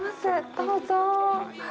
どうぞ。